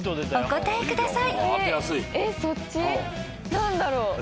何だろう？